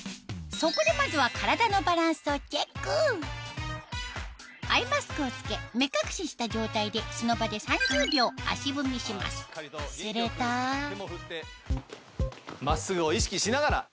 そこでまずはアイマスクを着け目隠しした状態でその場で３０秒足踏みしますすると真っすぐを意識しながら。